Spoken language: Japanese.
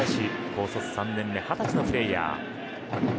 高卒３年目２０歳のプレーヤー。